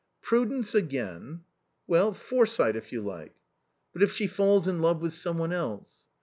" Prudence again !"" Well, foresight if you like." " But if she falls in love with some one else